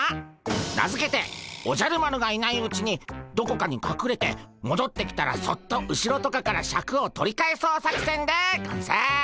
名付けて「おじゃる丸がいないうちにどこかにかくれてもどってきたらそっと後ろとかからシャクを取り返そう作戦」でゴンス。